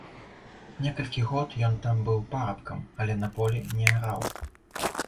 Некалькі год ён там быў парабкам, але на полі не араў.